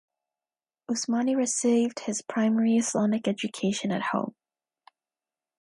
Usmani received his primary Islamic education at home.